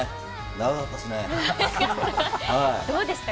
長かったですね。